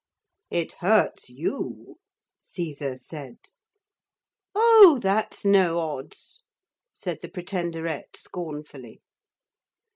'It hurts you,' Caesar said. 'Oh! that's no odds,' said the Pretenderette scornfully.